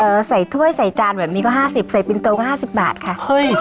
ใส่ถ้วยใส่จานแบบนี้ก็ห้าสิบใส่ปินโตก็ห้าสิบบาทค่ะเฮ้ย